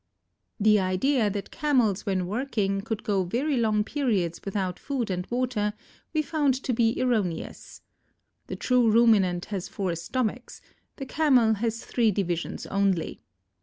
The idea that Camels when working could go very long periods without food and water, we found to be erroneous. The true ruminant has four stomachs; the Camel has three divisions only.